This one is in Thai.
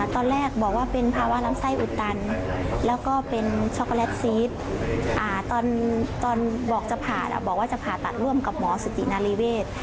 ตอนแรกบอกว่าเป็นภาวะลำไส้อุดตันแล้วก็เป็นช็อกโกแลตซีสตอนบอกจะผ่าบอกว่าจะผ่าตัดร่วมกับหมอสตินารีเวศ